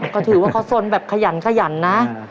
ก็ถือว่าเขาสนแบบขยันขยันนะ